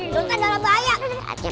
sultan dalam bahaya